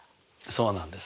そうなんです。